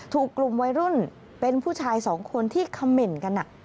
ถูกกลุ่มวัยรุ่นเป็นผู้ชายสองคนที่คำเหม็นกัน